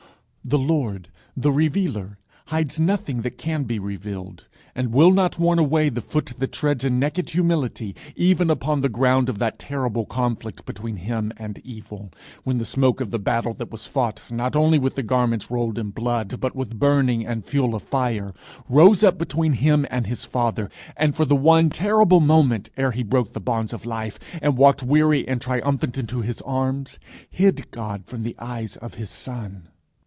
The Lord, the Revealer, hides nothing that can be revealed, and will not warn away the foot that treads in naked humility even upon the ground of that terrible conflict between him and Evil, when the smoke of the battle that was fought not only with garments rolled in blood but with burning and fuel of fire, rose up between him and his Father, and for the one terrible moment ere he broke the bonds of life, and walked weary and triumphant into his arms, hid God from the eyes of his Son.